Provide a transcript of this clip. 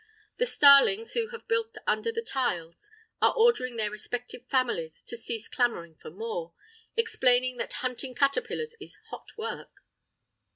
The starlings, who have built under the tiles, are ordering their respective families to cease clamouring for more, explaining that hunting caterpillars is hot work.